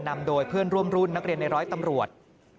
นำโดยเพื่อนร่วมรุ่นนักเรียนในร้อยตำรวจ